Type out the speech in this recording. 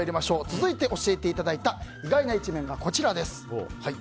続いて教えていただいた意外な一面がこちらです。